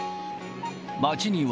街には。